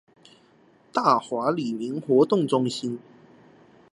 大華里民活動中心